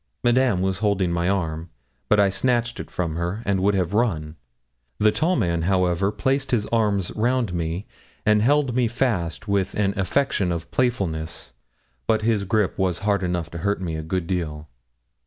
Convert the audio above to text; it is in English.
Madame was holding my arm, but I snatched it from her, and would have run; the tall man, however, placed his arms round me and held me fast with an affectation of playfulness, but his grip was hard enough to hurt me a good deal.